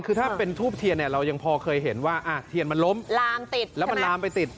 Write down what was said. คือถ้าเป็นทูบเทียนเนี่ยเรายังพอเคยเห็นว่าเทียนมันล้มลามติดแล้วมันลามไปติด